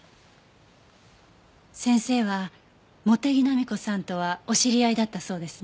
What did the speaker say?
先生は茂手木浪子さんとはお知り合いだったそうですね。